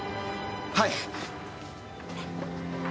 はい！